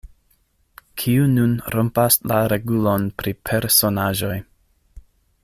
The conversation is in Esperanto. "Kiu nun rompas la regulon pri personaĵoj?"